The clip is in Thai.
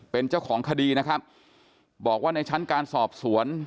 เป็นเจ้าของคดีนะครับบอกว่าในชั้นการสอบสวน